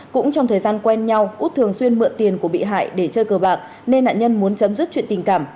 cũng trong thời gian quen nhau út thường xuyên mượn tiền của bị hại để chơi cờ bạc nên nạn nhân muốn chấm dứt chuyện tình cảm